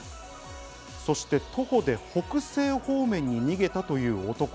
そして徒歩で北西方面に逃げたという男。